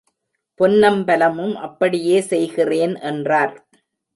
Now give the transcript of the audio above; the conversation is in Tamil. பொன்னம்பலமும், அப்படியே செய்கிறேன்! என்றார்.